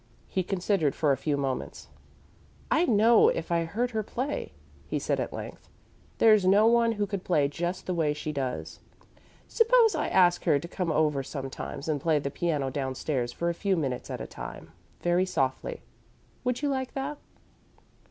He considered for a few moments. "I'd know if I heard her play," he said at length. "There's no one who could play just the way she does." "Suppose I ask her to come over sometimes and play the piano downstairs for a few minutes at a time, very softly. Would you like that?"